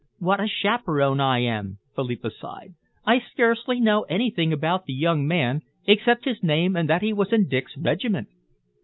"What a chaperon I am!" Philippa sighed. "I scarcely know anything about the young man except his name and that he was in Dick's regiment."